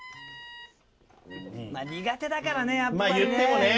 苦手だからねやっぱりね。